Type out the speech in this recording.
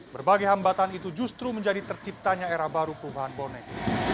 berbagai hambatan itu justru menjadi terciptanya era baru perubahan bonek